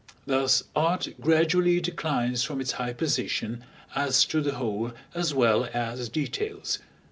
Thus art gradually declines from its high position, as to the whole as well as details.